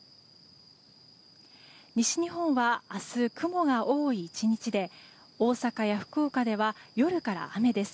西日本は明日、雲が多い１日で大阪や福岡では夜から雨です。